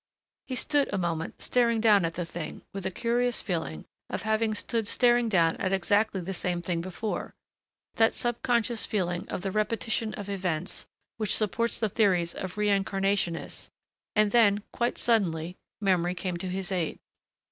He stood a moment staring down at the thing with a curious feeling of having stood staring down at exactly the same thing before that subconscious feeling of the repetition of events which supports the theories of reincarnationists and then, quite suddenly, memory came to his aid.